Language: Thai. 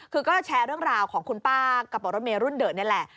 คือก็แชร์เรื่องราวของคุณป้ากระเป๋ารถเมย์รุ่นเดอะนี่แหละ